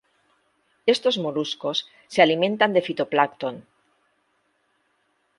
Estos moluscos se alimentan de fitoplancton.